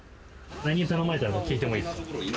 何頼まれたか、聞いていいですか？